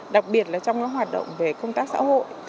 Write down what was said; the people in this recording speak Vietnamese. đặc biệt là trong các hoạt động về công tác xã hội